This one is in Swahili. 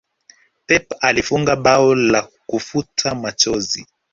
pepe alifunga bao la kufuta machozi